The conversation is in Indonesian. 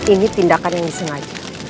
ini tindakan yang disengaja